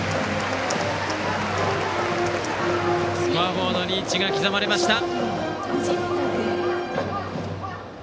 スコアボードに１が刻まれました。